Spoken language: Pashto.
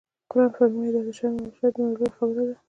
قرآن فرمایي: دا د شرم او وحشت دومره لویه خبره ده.